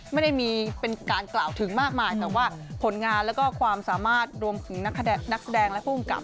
ไม่ได้มีเป็นการกล่าวถึงมากมายแต่ว่าผลงานแล้วก็ความสามารถรวมถึงนักแสดงและผู้กำกับ